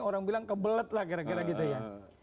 orang bilang kebelet lah kira kira gitu ya